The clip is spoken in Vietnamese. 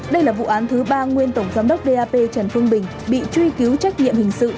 đây là vụ án thứ ba nguyên tổng giám đốc dap trần phương bình bị truy cứu trách nhiệm hình sự